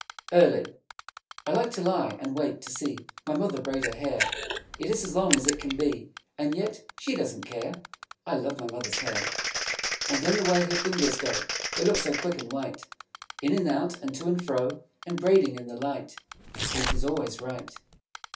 Early I like to lie and wait, to see My Mother braid her hair. It is as long as it can be, And yet she doesn't care. I love my Mother's hair. And then the way her fingers go; They look so quick and white, In and out, and to and fro, And braiding in the light; And it is always right.